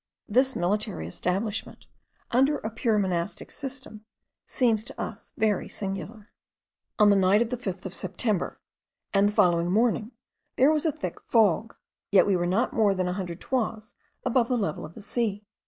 This military establishment, under a purely monastic system, seemed to us very singular. On the night of the 5th of September, and the following morning, there was a thick fog; yet we were not more than a hundred toises above the level of the sea.